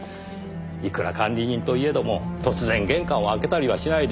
いくら管理人といえども突然玄関を開けたりはしないでしょう。